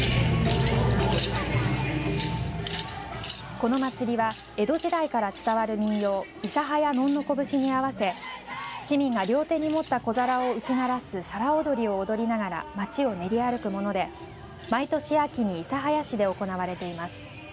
この祭りは江戸時代から伝わる民謡諫早のんのこ節に合わせ市民が両手に持って小皿を打ち鳴らす皿踊りを踊りながら街を練り歩くもので毎年秋に諫早市で行われています。